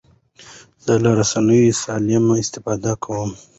زه له رسنیو سالمه استفاده کوم.